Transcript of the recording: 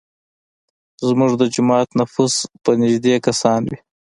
زموږ د جومات نفوس به نیږدی کسان وي.